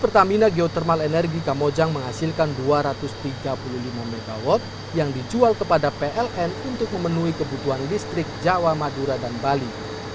pertamina geothermal energi kamojang menghasilkan dua ratus tiga puluh lima mw yang dijual kepada pln untuk memenuhi kebutuhan listrik jawa madura dan bali